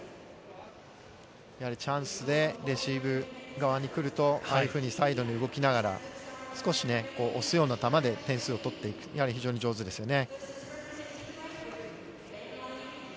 やはりチャンスでレシーブ側に来ると、ああいうふうにサイドに動きながら、少し押すような球で点数を取っていく、やはり非常に上手ですよね。